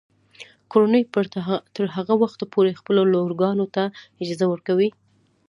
کورنۍ به تر هغه وخته پورې خپلو لورګانو ته اجازه ورکوي.